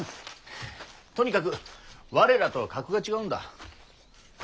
とにかく我らとは格が違うんだ。